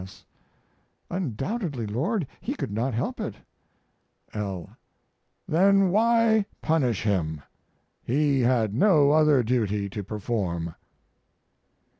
S. Undoubtedly, Lord. He could not help it. L. Then why punish him? He had no other duty to perform.